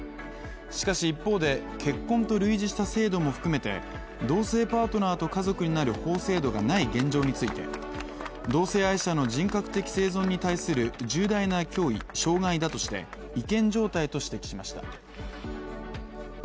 しかし、一方で結婚と類似した制度も含めて同性パートナーと家族になる法制度がない現状について同性愛者の人格的生存に対する重大な脅威、障害だとして違憲状態と指摘しました。